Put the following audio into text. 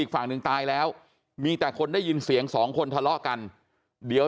ฝั่งหนึ่งตายแล้วมีแต่คนได้ยินเสียงสองคนทะเลาะกันเดี๋ยว